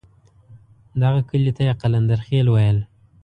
دغه کلي ته یې قلندرخېل ویل.